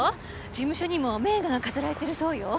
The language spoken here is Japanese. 事務所にも名画が飾られてるそうよ。